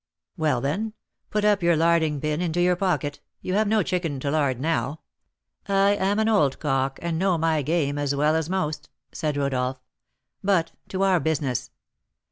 "Well, then, put up your 'larding pin' into your pocket; you have no chicken to lard now. I am an old cock, and know my game as well as most," said Rodolph. "But, to our business."